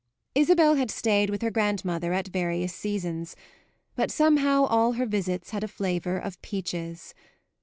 Isabel had stayed with her grandmother at various seasons, but somehow all her visits had a flavour of peaches.